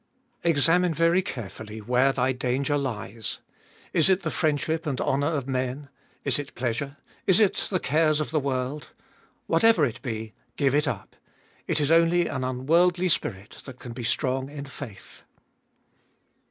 7. Examine very carefully where thy danger lies. Is it the friendship and honour of men? Is it pleasure ? Is it the cares of the world? Whatever it be, give it up. It is only an unworldly spirit that can be strong in faith.